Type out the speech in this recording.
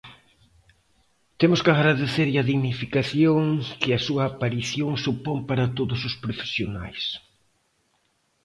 Temos que agradecerlle a dignificación que a súa aparición supón para todos os profesionais.